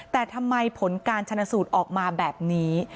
แต่ทำไมผลการชนะสูตรออกมาแบบนี้